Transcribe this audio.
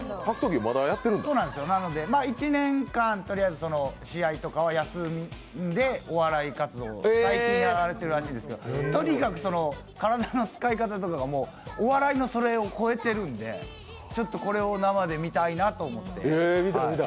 １年間試合を休んでお笑い活動を最近やられてるらしいんですけどとにかく体の使い方とかがお笑いのそれを超えてるのでちょっとこれを生で見たいなと思って。